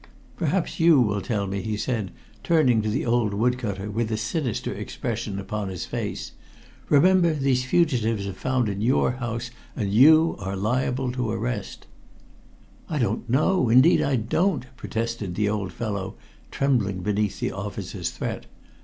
"Perhaps you will tell me," he said, turning to the old wood cutter with a sinister expression upon his face. "Remember, these fugitives are found in your house, and you are liable to arrest." "I don't know indeed I don't!" protested the old fellow, trembling beneath the officer's threat.